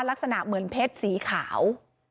ลักษณะเหมือนเพชรสีขาว